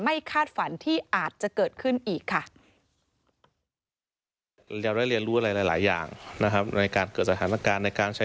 คาดฝันที่อาจจะเกิดขึ้นอีกค่ะ